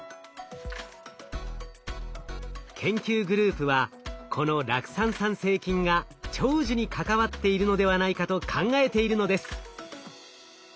研究グループはこの酪酸産生菌が長寿に関わっているのではないかと考えているのです。